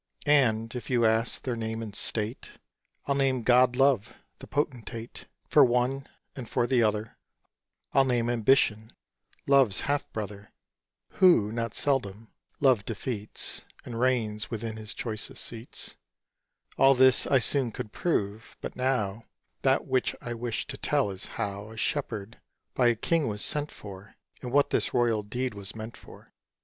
And if you ask their name and state, I'll name god Love, the potentate, For one; and for the other, I'll name Ambition, Love's half brother, Who, not seldom, Love defeats, And reigns within his choicest seats, All this I soon could prove; but now That which I wish to tell is how A Shepherd by a King was sent for, And what this royal deed was meant for.